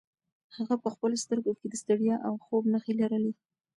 هغه په خپلو سترګو کې د ستړیا او خوب نښې لرلې.